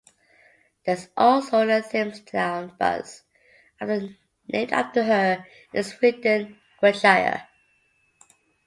There is also a Thamesdown bus named after her in Swindon, Wiltshire.